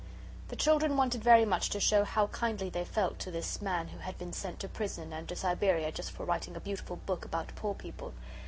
The children wanted very much to show how kindly they felt to this man who had been sent to prison and to Siberia just for writing a beautiful book about poor people.